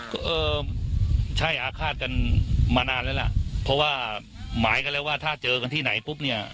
ก็เออใช่อาฆาตกันมานานแล้วล่ะเพราะว่าหมายกันแล้วว่าถ้าเจอกันที่ไหนปุ๊บเนี่ย